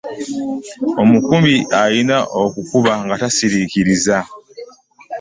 Omukubi alina okukuba nga tasiriikiriza.